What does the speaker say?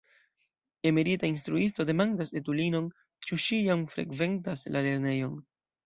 Emerita instruisto demandas etulinon, ĉu ŝi jam frekventas la lernejon.